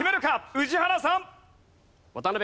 宇治原さん！